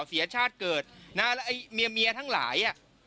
เสียชาติเกิดแล้วไอ้เมียทั้งหลาย